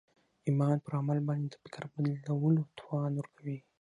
ایمان پر عمل باندې د فکر بدلولو توان ورکوي